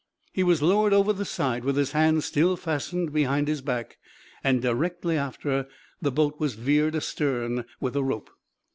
He was lowered over the side with his hands still fastened behind his back, and directly after the boat was veered astern with a rope.